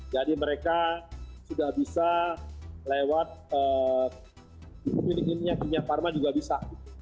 jadi mereka sudah bisa lewat milik miliknya kimia pharma juga bisa